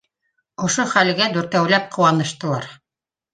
Ошо чәлгә дүртәүләп ҡыуаныштылар